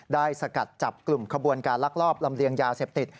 สกัดจับกลุ่มขบวนการลักลอบลำเลียงยาเสพติด